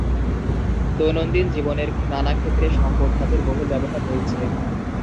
দৈনন্দিন জীবনের নানা ক্ষেত্রে সংকর ধাতুর বহুল ব্যবহার রয়েছে।